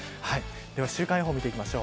では、週間予報です。